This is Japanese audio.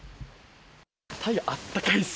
太陽あったかいです。